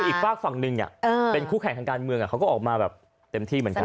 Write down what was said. อีกฝากฝั่งหนึ่งเป็นคู่แข่งทางการเมืองเขาก็ออกมาแบบเต็มที่เหมือนกัน